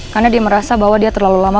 karena dia merasa bahwa dia terlalu lama